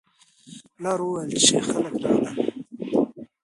پلار وویل چې خلک راغلل.